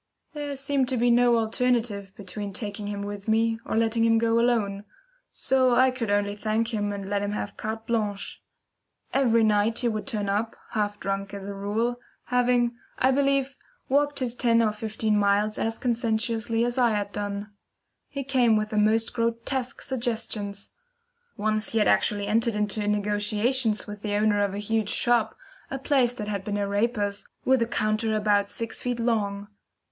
There seemed to be no alternative between taking him with me, or letting him go alone; so I could only thank him and let him have carte blanche. Every night he would turn up, half drunk as a rule, having, I believe, walked his ten or fifteen miles as conscientiously as I had done. He came with the most grotesque suggestions. Once he had actually entered into negotiations with the owner of a huge shop, a place that had been a raper's, with a counter about sixty feet long.